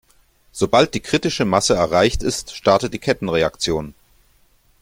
Sobald die kritische Masse erreicht ist, startet die Kettenreaktion.